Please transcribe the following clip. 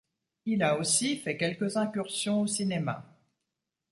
Il a aussi fait quelques incursions au cinéma.